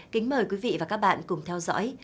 kính mời quý vị và các bạn cùng theo dõi